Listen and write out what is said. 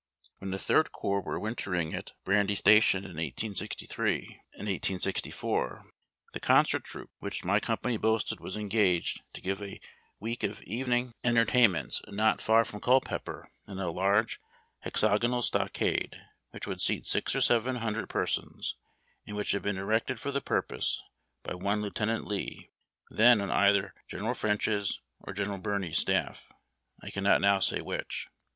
When the Third Corps was winter ing at Brandy Station in 1863 4 the concert troupe, which my company boasted was engaged to give a week of evening A MULE DRIVER. AEMY WAGON TBAINS. 353 entertainments not far from Culpeper, in a large hex ao onal stockade, which would seat six or seven hundred persons, and which had been erected for the purpose by one Lieutenant Lee, then on either General French's or General Birney's staff — I cannot now say which.